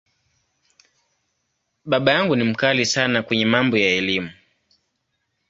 Baba yangu ni ‘mkali’ sana kwenye mambo ya Elimu.